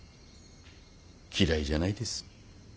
嫌いじゃないです